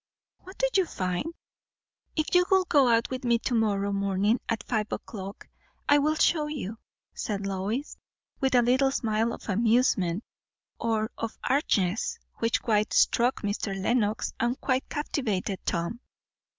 "What do you find?" "If you will go out with me to morrow morning at five o'clock, I will show you," said Lois, with a little smile of amusement, or of archness, which quite struck Mr. Lenox and quite captivated Tom.